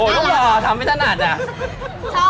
โห้ลูกหล่อทำไม่ถนัดเนี่ย